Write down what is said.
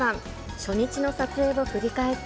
初日の撮影を振り返って。